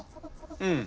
うん。